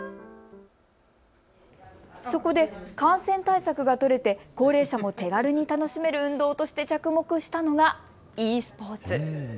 そこで、感染対策が取れて、高齢者も手軽に楽しめる運動として着目したのがｅスポーツ。